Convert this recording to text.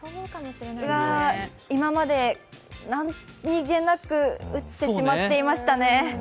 今まで何気なく打ってしまってましたね。